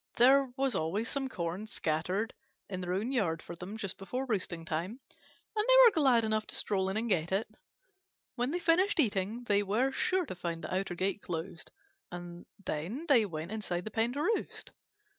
There was always some corn scattered in their own yard for them just before roosting time, and they were glad enough to stroll in and get it. When they finished eating they were sure to find the outer gate closed, and then they went inside the pen to roost.